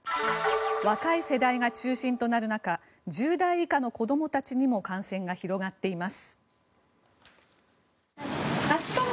若い世代が中心となる中１０代以下の子どもたちにも感染が広がっています。